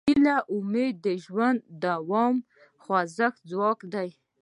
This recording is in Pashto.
هیله او امید د ژوند د دوام او خوځښت ځواک دی.